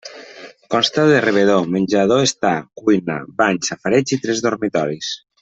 Consta de rebedor, menjador-estar, cuina, bany, safareig i tres dormitoris.